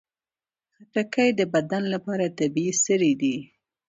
خټکی د بدن لپاره طبیعي سري دي.